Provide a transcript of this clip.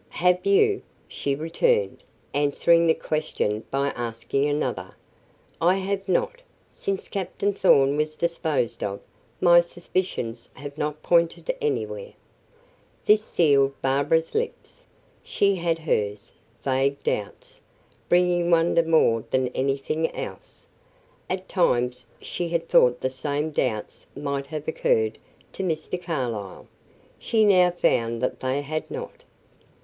"Have you?" she returned, answering the question by asking another. "I have not. Since Captain Thorn was disposed of, my suspicions have not pointed anywhere." This sealed Barbara's lips. She had hers, vague doubts, bringing wonder more than anything else. At times she had thought the same doubts might have occurred to Mr. Carlyle; she now found that they had not.